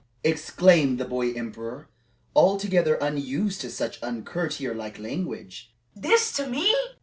exclaimed the boy emperor, altogether unused to such uncourtier like language; "this to me!"